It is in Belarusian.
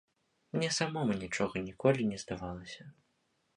Мне самому нічога ніколі не здавалася.